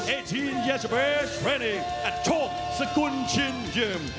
เอเทียนเยสเบอร์ใช้กับช็อคสกุนชินจิม